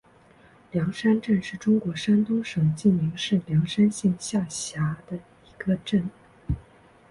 梁山镇是中国山东省济宁市梁山县下辖的一个镇。